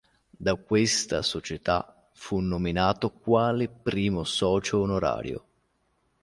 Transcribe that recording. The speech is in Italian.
Da questa società fu nominato quale "primo socio onorario".